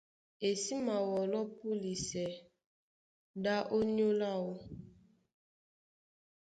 E sí mawɔlɔ́ púlisɛ ɗá ónyólá áō.